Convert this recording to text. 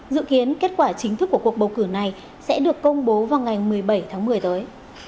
dự kiến kết quả chính thức của cuộc bầu cử này sẽ được công bố vào ngày một mươi bảy tháng một mươi tới